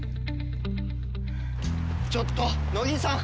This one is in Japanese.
ちょっと野木さん！